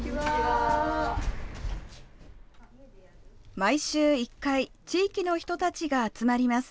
毎週１回、地域の人たちが集まります。